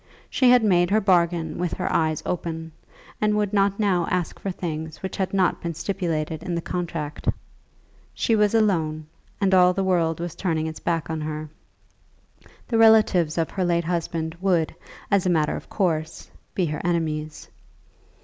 She had made her bargain with her eyes open, and would not now ask for things which had not been stipulated in the contract. She was alone, and all the world was turning its back on her. The relatives of her late husband would, as a matter of course, be her enemies.